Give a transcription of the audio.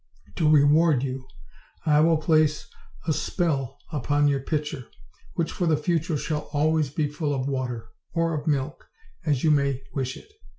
To reward you I will place a spell upon your pitcher, which, for the future, shall always be full of water, or of milk, as you may wish it.